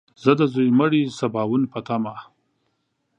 زه د ځوی مړي سباوون په تمه !